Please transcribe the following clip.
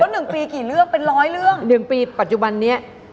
หนึ่งปีกี่เรื่องเป็นร้อยเรื่องหนึ่งปีปัจจุบันนี้